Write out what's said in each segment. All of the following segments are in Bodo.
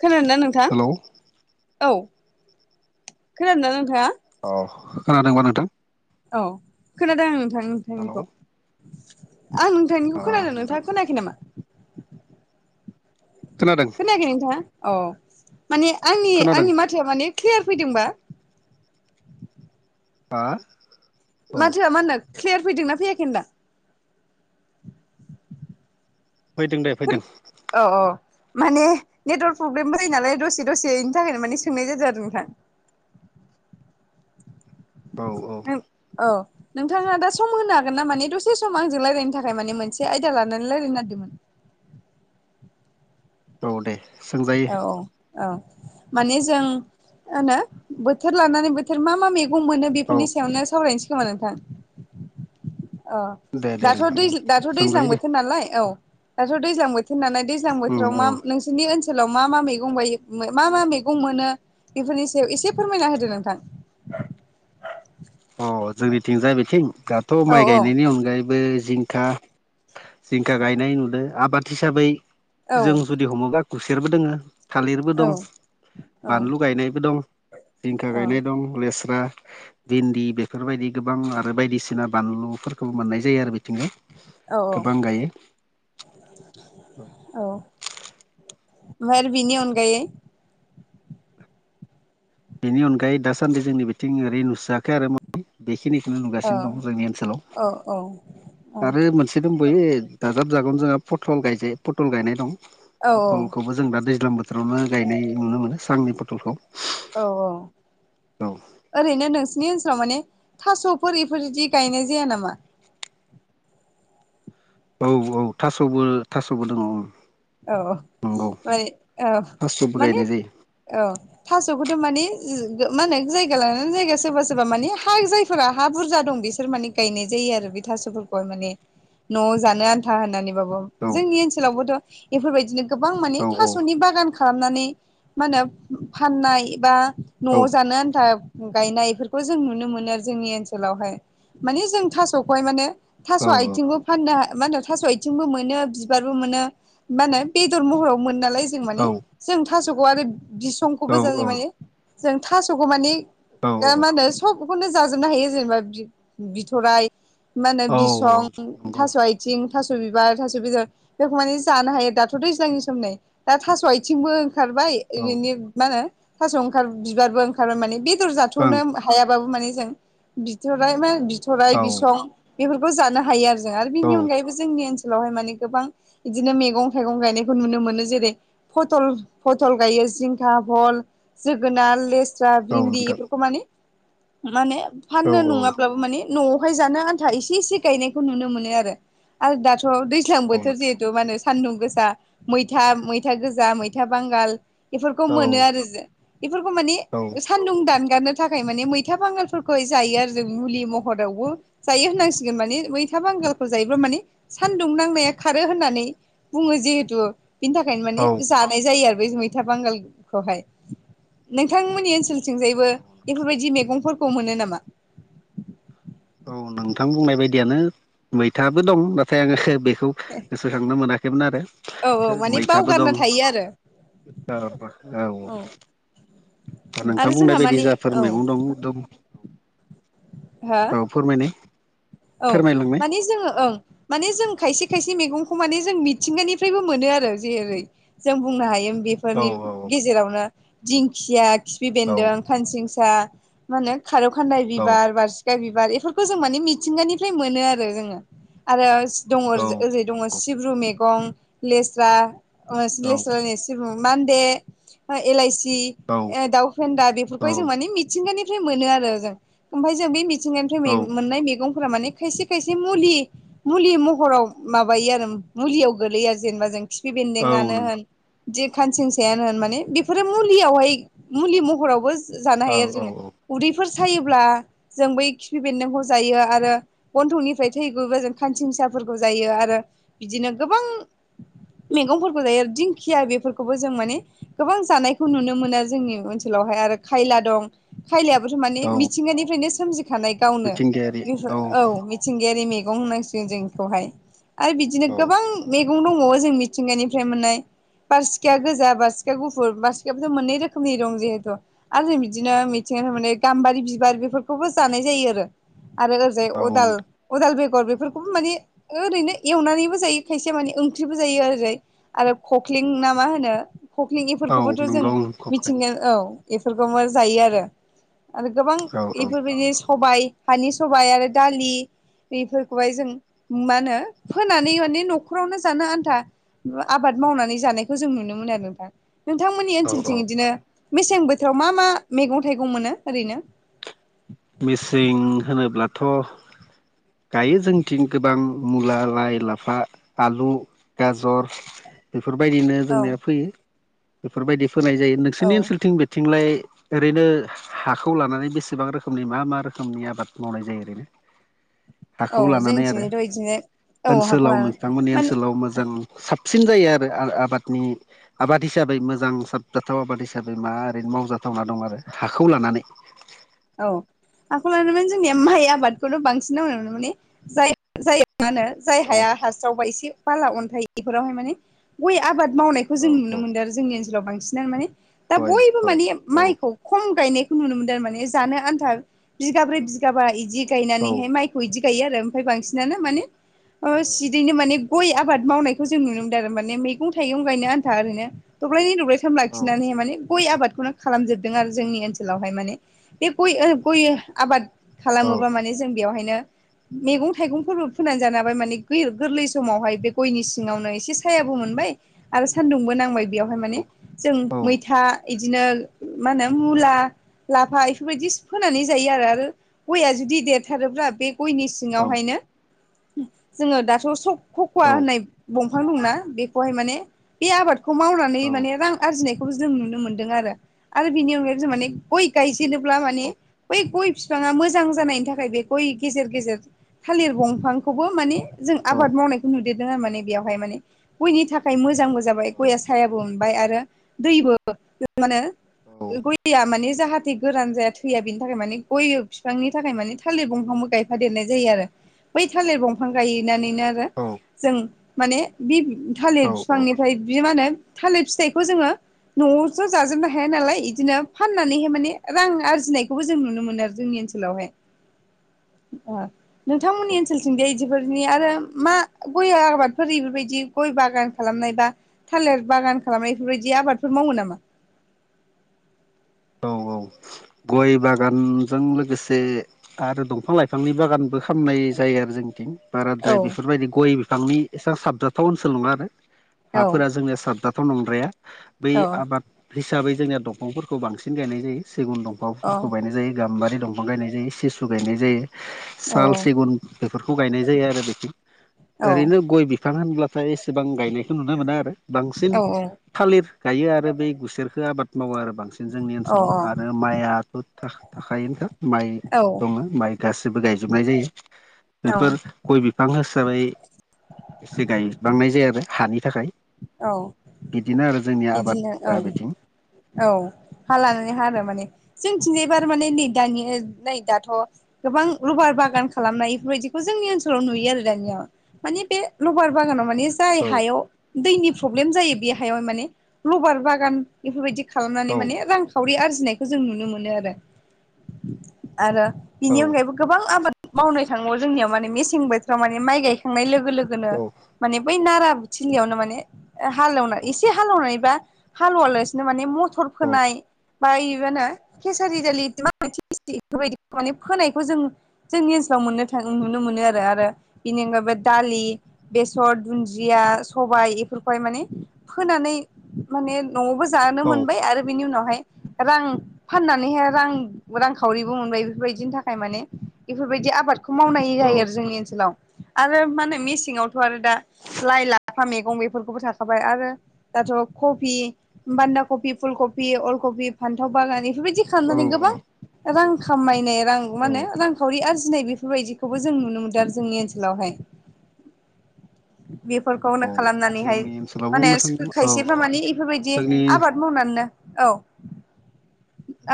खोनादों नोंथां हेलौ औ खोनादोंना नोंथाङा? अ खोनादोंबा नोंथां? औ खोनादों आं नोंथां हेलौ नोंथांनिखौ आं न थांनिखौ अ खोनादों नोंथां नोंथांआ खोनाखै नामा? खोनादों खोनाखै नोंथाङा औ माने आंनि खोनादों आंनि माथोया माने क्लियार फैदोंबा? हा? औ माथो मा होनो क्लियार फैदोंना फैयाखै दां? फैदों दे फैदों। औ औ माने नेटवर्क प्रब्लेम जायो नालाय दसे-दसे इनि थाखायनो माने सोंनाय जादों आरो नोंथां। औ औ। नोंथां औ। नोंथाङा दा सम होनो हागोन ना माने दसे सम आंजों रायजलायनो थाखाय माने मोनसे आयदा लानानै रायलायनो नागिरदोंमोन। औ दे सोंजायो। औ औ माने जों माहोनो बोथोर लानानै मा मा मैगं मोनो औ बेफोरनि सायावनो सावरायनोसै खोमा नोंथां? औ दे दे दाथ' नोंथां दैज दाथ' दैज्लां सोंजायो दे बोथोर नालाय औ दाथ' दैज्लां बोथोर नालाय दैज्लां उम बोथोराव औ मा नोंसिनि ओन ओनसोलाव मा मा मैगं बायो मा मा मैगं मोनो बेफोरनि सायाव एसे फोरमायना होदो नोंथां। अह जोंनिथिंजाय बेथिं दाथ' औ माइ औ गायनायनि अनगायैबो जिंखा जिंखा गायनाय नुदो। आबाद हिसाबै औ जों जु दि हमोबा खुसेरबो दोङो। थालिरबो औ दं, औ बानलु गायनायबो दं, जिंखा औ गायनाय दं। लेस्रा। भिन्दि बेफोरबायदि गोबां आरो बायदिसिना बानलुफोरखौबो मोननाय जायो आरो बिथिङै। औ औ। औ ओमफ्राय आरो बिनि अनगायै बेनि अनगायै दासान्दि जोंनि बिथिं ओरै नुस्रायाखै आरो बेखिनिखौनो औ नुगासिनो दं जोंनि ओनसोलाव औ औ आरो मोनसे दोंबयो दाजाब जागोन जोंहा फटल गायजायो, फटल गायनाय दं औ फलखौबो जों जों दा दैज्लां बोथोरावनो गायनाय नुनो मोनो सांनि पथलखौ। औ औ। ओरैनो नोंसि बिनि ओनसोलाव माने थास'फोर बेफोरबायदि गायनाय जाया नामा? औ औ थास'बो थास'बो दङ औ। औ औ थास'बो माने गायनाय औ। थास'खौथ' मानि मा होनो जायगा लानानै जायगा सोरबा सोरबा मानि हा जाय फोर हा बुरजा दं बिसोर माने गायनाय जायो आरो बे थास'फोरखौहाय माने न'आव जानो आन्था होननानै बाबो। जायो जोंनि ओनसोलावबोथ' बेफोरबायदिनो गोबां माने औ औ थास'नि बागान खालामनानै मा होनो फाननाय बा औ न'आव जानो आन्था गायनाय बेफोरखौ जों नुनो मोनो आरो जोंनि ओनसोलावहाय माने जों थास'खौहाय माने थास' आथिंबो फाननो मा होनो थास' आथिंबो मोनो बिबारबो मोनो। मा होनो बेदर महराव मोनो नालाय जों औ माने। जों थास'खौ आरो औ बिसंखौबो जायो माने जों थास'खौ माने औ दा मा होनो सबखौनो जाजोबनो हायो जेनेबा बि-बिथ'राय मा होनो औ बिसं नंगौ थास' आथिं थास' बिबार थास' बेदर बेखौ माने जानो हायो दाथ'थ' दैज्लांनि सम नै दा थास' आथिंबो ओंखारबाय। औ बिनि मा होनो थास' ओंखार बिबारबो ओंखारबाय माने बेदर जा ओं बिथ'नो हायाबाबो माने जों बिथर मा बिथ'राय औ बिसं बेफोरखौ जानो हायो आरो जों आरो औ बेनि अनगायैबो जोंनि ओनसोलावहाय माने गोबां बिदिनो मैगं थाइगं गायनायखौ नुनो मोनो जेरै फटल फथल गायो जिंखा भल जोगोनार, लेस्रा, भिन्दि नोंथां बेफोरखौ माने माने औ फाननो नङाब्लाबो माने न'आवहाय जानो आन्था एसे एसे गायनायखौ नुनो मोनो आरो। आरो दाथ' दैज्लां औ बोथोर जे हेथु मा होनो सानदुं गोसा, मैथा मैथा गोजा, मैथा बांगाल बेफोरखौ मोनो आरो जों। बेफोरखौ माने औ। सान्दुं दानगारनो थाखाय माने मैथा बांगालफोरखौहाय जायो आरो जों मुलि महरावबो जायो होननांसिगोन माने मैथा बांगालखौ जायोब्ला माने सान्दुं नांनाया खारो होनना नै बुङो जिहेतु, बिनि थाखाय औ माने जा नाय जायो आरो बेै मैथा बांगालखौहाय। नोंथांमोननि ओनसोलथिंजायबो औ बेफोरबायदि मैगंफोरखौ मोनो नामा? औ नोंथां बुंनाय बायदियानो मैथाबो दं नाथाय आङो बेखौ ए गोसोखांनो मोनाखैमोन आरो। मैथाबो बावगारना दं थायो आरो। औ औ औ। नोंथां आरो जोंहा बुंनाय बायदि माने जाफोर औ मैगं दं एदम हा फोरमायनाय औ फोरमायलांनाय माने जोङो ओं माने जों खायसे खायसे मैगंखौ माने जों मिथिंगानिफ्रायबो मोनो आरो जेरै जों बुंनो हायो बे औ फोरनि औ गेजेरावनो दिंखिया, खिफि औ बेन्दों, खानसिंसा मा होनो खारौ खान्दाइ बिबार बारसिखा बिबार एफोरखौ जों माने मिथिंगानिफ्राय मोनो आरो जोङो। आरो दङ ओरैजा ओरै दङ सिब्रु मैगं लेस्रा अ लेस्रा लायनो सिब्रु मान्दे एलायसि औ। ए दाउ फेदा बेफोरखौहाय जों माने मिथिंगानिफ्राय मोनो आरो जों ओमफाय जों बे मि थिंगानिफ्राय मे औ मोननाय मैगंफोरा माने खायसे खायसे मुलि मुलि महराव माबायो आरो मुलियाव गोलैयो जेनेबा जों खिफि औ नंगौ औ बेन्दोंआनो नों होन जे खानसिं सेयानो होन माने बेफोरो मुलियावहाय मुलि महरावबो जा-जानो औ हायो आरो औ जोङो औ उदैफोर सायोब्ला जों बै खिफि बेन्दोंखौ जायो आ रो गन्थंनिफ्राय थै गबा जों खानसिंसाफोरखौ जायो आरो बिदिनो गोबां मैगंफोरखौ जायो आरो औ दिंखिया बेफोर खौबो जों माने गोबां जानायखौ नुनो मोनो जोंनि ओनसोलावहाय आरो खायला दं। खायलायाबोथ' माने औ मिथिंगानिफ्रायनो सोमजिखानाय। गावनो मिथिंगायारि बेफोर औ मिथिंगायारि मैगं होननांसिगोन जों बेखौहाय आरो बिदिनो औ गोबां मेगं दंबावो जों मिथिंगानिफ्राय मोननाय। बारसिखा गोजा बारसिखा गुफुर बारसिखायाबोथ' मोननै रोखोमनि दं जिहेथु। आरो जों बिदिनो मिथिंगानिफ्राय मोननाय गाम्बारि बिबार बेफोरखौबो जानाय जायो आरो। आरो ओरैजाय औ अदाल नोंथां अदाल बेगर बेफोरखौबो माने ओरैनो एवनानैबो जायो खायसेया माने ओंख्रिबो जायो आरो जाय आरो खख्लिं ना मा होनो? कख्लिं औ एफोरखौबोथ' जों नंगौ औ मिथिंगा औ एफोरखौ मा जायो आरो। आरो गोबां औ एफोरबायदि सबाइ हानि सबाइ आरो दालि एफोरखौहाय जों मा होनो फोनानै माने न'खरावनो जानो आन्था आबाद मावनानै जानायखौ जों नुनो मोनो आरो नोंथां। नोंथांमोननि औ औ ओनसोलथिं बिदिनो मेसें बोथोराव मा मा मैगं थाइगं मोनो ओरैनो? मेसें होनोब्लाथ' गायो जोंनिथिं गोबां मुला लाइ लाफा आलु गाजर बेफोरबायदिनो औ जोंनिया फोयो बेफोरबायदि फोनाय जायो औ नोंसोरनि ओनसोलथिं बे थिंलाय ओरैनो हा-हाखौ लानानै बेसेबां रो खोमनि मा मा रोखोमनि आबाद मावनाय जायो ओरैनो? औ हाखौ लानानै आरो जोंनिथिंजायथ' बिदिनो औ ओनसोलाव हाखर नोंथांमोननि माने ओनसोलाव मोजां साबसिन जायो आरो आ-आबादनि आबाद हिसाबै मोजां साबजाथाव आबाद हिसाबै मा ओरैनो मावजाथावना दं आरो हाखौ लानानै? औ हाखौ लानानै माने जोंनिया माइ आबादखौनो बांसिन मावनाय मोनो माने जाय जाय मा होनो? जाय औ हाया हास्रावबा एसे बाला अन्थाइ बेफोरावहाय माने गय आबाद मावनाय खौ औ जों नुनो औ मोनदों आरो जोंनि ओनसोलाव बांसिनानो माने दा गय बयबो गय माने औ माइखौ खम गायनायखौ नुनो मोनदों आरो माने जानो आन्था औ बिगाब्रै बिगाबा इदि औ गायनानैहाय माइ खौ इदि गायो आरो ओमफाय बांसिनानो माने ओ सिदैनो माने गय आबाद मावनायखौ जों नुनो मोनदों आरो माने मैगं थाइगं गायनो आन्था ओरैनो दब्लायनै दब्लाय थाम औ लाखिनानै माने गय आबादखौनो खालामजोबदों आरो जोंनि ओनसोलावहाय माने बे गय आरो गय आबाद खालामोबा माने जों बेवहायनो मैगं थाइगंफोरबो फोननानै जानो हाबाय माने गै गोरलै समावहाय बे गयनि सिङावनो एसे सायाबो मोनबाय। आरो सान्दुंबो नांबाय। बेयावहाय औ माने जों औ मैथा इदिनो मा होनो मुला लाफा बेफोरबायदि फोनानै जायो आरो आरो गया जुदि देरथारोब्ला बे गयनि औ सिङावहायनो जोङो दाथ' स ख'ख'वा होननाय बं फां दंना बेखौहाय माने बे आबादखौ मावनानै औ माने रां आरजिनाय खौ जों नुनो मोनदों आरो आरो बिनि अनगायै जों माने गय गायजेनोब्ला माने बै गय बिफाङा मोजां जानायनि थाखाय बे गय गेजेर गेजेर थालिर दंफांखौबो माने जों औ आबाद मावनायखौ नुदेरदों आरो माने बेयावहाय माने गयनि थाखाय मोजांबो जाबाय गया सायहाबो मोनबाय आरो दैबा माहोनो औ दैया माने जाहाथे गोरान जाया थैया बिनि थाखाय माने गय बिफांनि थाखाय माने थालिर दंफांबो गायफादेरनाय जायो आरो बै थालिर दंफां गायनानैनो आरो जों माने बे थालिर औ औ बिफांनिफ्राय बि मा होनो थालिर फिथाइखौ जोङो न'यावथ' जाजोबनो हाया नालाय बिदिनो फाननानैहाय माने रां आरजिनायखौबो जों नुनो मोनो आरो जोंनि ओनसोलावहाय ओ नोंथांमोननि ओनसथिं जाय बिफोरनि आरो मा गय आबादफोर बेफोरबायदि गय बागान खालामनाय बा थालिर बागान खालामनाय बेफोरबायदि आबादफोर मावो नामा। औ औ गय बागानजों लोगोसे आरो दंफां लाइफांनि बागानबो खालामनाय जायो आरो जोंनिथिं औ बाराद्राय बेफोरबायदि गय बिफांनि एसेबां साबजाथाव ओनसोल नङा आरो औ हाफोरा जोंनिया साबजाथाव बि नंद्राया बै औ आबाद हिसाबै जोंनिया दंफांफोरखौ बांसिन गायनाय जायो सिगुन दंफां औ बाउफोरखौ गायनाय जायो गाम्बारि दंफां गायनाय जायो सिसु गायनाय जायो औ साल सिगुन बेफोरखौ गायनाय जायो आरो बिथिं ओरैनो गय बि बिफां होनब्लाथाय एसेबां गायनायखौ नुनो मोना आरो बांसिन थालिर गायो आरो बै गुसेरखौ आबाद मावो आरो बांसिन औ ओनसाव आरो माइआथ' थाखोनखा माइ दङ औ माइ गासैबो गायजोबनाय जायो बेफोर गय बिफां हिसाबै एसे गायबांनाय जायो आरो हानि थाखाय औ बिदिनो आरो जोंनि बिदिनो आबादा ओं बिथिं। औ हा लानानै हा आरो माने जोंथिंजायबा आरो माने नै दानि नै दाथ' गोबां लबार बागान खालामनाय बेफोरबायदिखौ जोंनि ओनसोलाव नुयो आरो दानिया माने बे लबार बागानाव माने जाय औ हायाव दैनि प्रब्लेम जायो बे हायाव माने लबार बागान बेफोरबायदि खालामनानै औ माने रां खावरि आरजिनायखौ जों नुनो मोनो आरो आरो बिनि औ अनगायैबो गोबां आबाद मावनो थांबावो जोंनियाव माने मेसें बोथोराव माने माइ गायखांनाय लोगो लोगोनो औ माने बै नाराथिलियावनो माने हालेवना एसे हालेवनायबा हालौवालासिनो माने मथर औ फोनाय बायो माहोनो केसारि दालि [unintelligible] बेफोरबायदि माने फोनायखौ जों जोंनि ओनसोलाव मोननो थां नुनो मोनो आरो आरो बेनि अनगायैबो दालि बेसर दुन्दिया सबाय बेफोरखौहाय माने फोनानै माने न'आवबो जानो मोनबाय आरो बिनि उनावहाय रां फाननानैहाय रां रांखावरिबो मोनबाय बेफोरबायदिनि थाखाय माने बेफोरबायदि आबाद खौ मावनाय जायो औ आरो जोंनि आनसोलाव आरो माहोनो मेसेङावथ' दा लाइ लाफा लाफा मैगं बेफोरखौबो थाखाबाय आरो दाथ' कबि बान्दा कबि फुल कबि अलकबि फान्थाव बागान बेफोरबायदि औ खामनानै गोबां रां खामायनाय रां मा औ होने रांखावरि आरजिनाय बेफोरबायदिखौबो जों नुनो मोनदों आरो जोंनि ओनसोलावहाय फोरनो खालामनानैहाय जोंनि ओनसोलाव माने बुंनो थाङोब्ला औ खायसेफ्रा औ माने बेफोरबायदि जोंनि आबाद मावनानैनो औ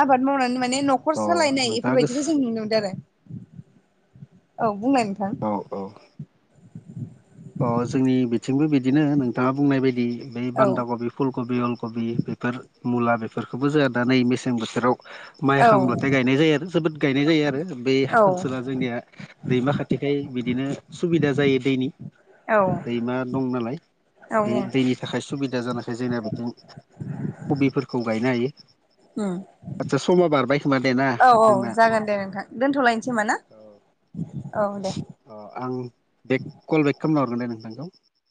आबाद मावनानै माने न'खर अ सालायनाय नोंथाङा बेफोरबायदिखौ जों नुनो मोनदों गोसो आरो औ बुंलाय नोंथां औ औ। अ जोंनि बिथिंबो बिदिनो नोंथाङा बुंनाय बायदि बे औ बान्दा कबि फुलकबि अलकबि बेफोर मुला बेफोरखौबो जोंहा दा नै मेसें बोथोराव माइ औ हांब्लाथाय गायनाय जायो आरो जोबोद गायनाय जायो आरो बे औ ओनसोला जोंनिया दैमा खाथिखाय बिदिनो सुबिदा जायो दैनि दैमा दं नालाय औ बे दैनि थाखाय सुबिदा जानायाखै जोंना बिथिं कबिफोरखौ गायनो हायो आदसा समा बारबाय खोमा दे ना जोंना [unintelligible] दोनथ'लायनोसैमा ना? औ दे अ आं बेक कल बेक खालामना हरगोन दे नोंथांखौ।